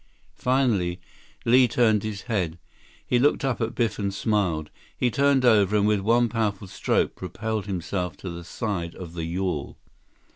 Finally, Li turned his head. He looked up at Biff and smiled. He turned over, and with one powerful stroke, propelled himself to the side of the yawl.